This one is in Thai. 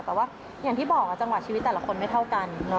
แต่ว่าอย่างที่บอกจังหวะชีวิตแต่ละคนไม่เท่ากัน